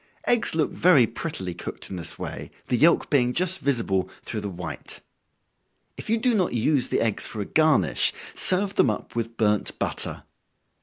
Eggs look very prettily cooked in this way, the yelk being just visible through the white. If you do not use the eggs for a garnish, serve them up with burnt butter.